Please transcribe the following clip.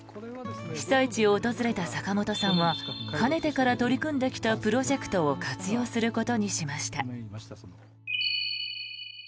被災地を訪れた坂本さんはかねてから取り組んできたプロジェクトを活用することにしました。